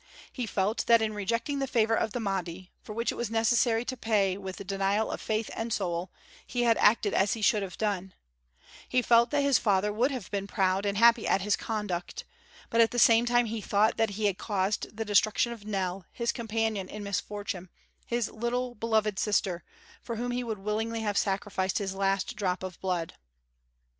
He felt that in rejecting the favor of the Mahdi, for which it was necessary to pay with denial of faith and soul, he had acted as he should have done; he felt that his father would have been proud and happy at his conduct, but at the same time he thought that he had caused the destruction of Nell, his companion in misfortune, his little beloved sister, for whom he would willingly have sacrificed his last drop of blood.